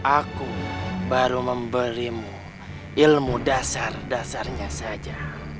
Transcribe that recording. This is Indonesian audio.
aku baru memberimu ilmu dasar dasarnya saja